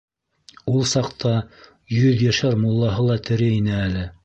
Ул саҡта йөҙйәшәр муллаһы ла тере ине әле.